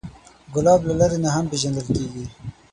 ګلاب له لرې نه هم پیژندل کېږي.